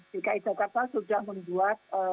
dki jakarta sudah membuat